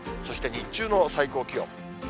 そして日中の最高気温。